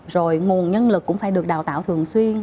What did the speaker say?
rồi nguồn nhân lực cũng phải được đào tạo thường xuyên